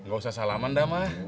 gak usah salaman dah ma